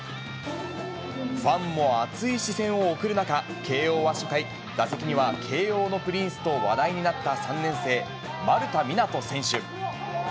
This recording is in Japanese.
ファンも熱い視線を送る中、慶応は初回、打席には慶応のプリンスと話題になった３年生、丸田湊斗選手。